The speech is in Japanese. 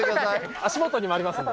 足元にもありますね。